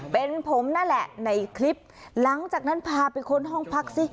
เป็นผมนั่นแหละในคลิปหลังจากนั้นพาไปค้นห้องพักสิ